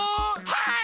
はい！